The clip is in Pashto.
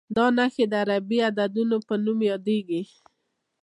دا نښې د عربي عددونو په نوم یادېږي.